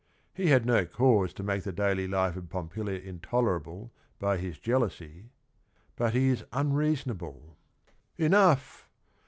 He ha d no c ause to make thp daily lj fe of Pompilia intolerable b y his jealousy. But he is unreasonable. '' Enough